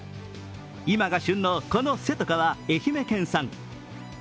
今が旬のこのせとかは、愛媛県産。